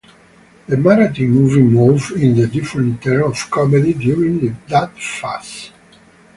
The Marathi movie moved in the different term of comedy during that phase.